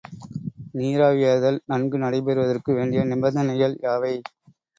நீராவியாதல் நன்கு நடைபெறுவதற்கு வேண்டிய நிபந்தனைகள் யாவை?